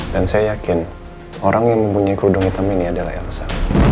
dan saya yakin orang yang mempunyai kurdung hitam ini adalah elsa